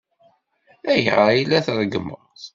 Ayɣer ay la treggmeḍ?